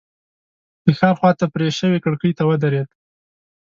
د ښار خواته پرې شوې کړکۍ ته ودرېد.